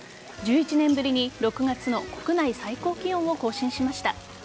１１年ぶりに６月の国内最高気温を更新しました。